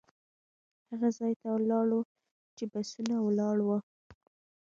هغه ځای ته لاړو چې بسونه ولاړ وو.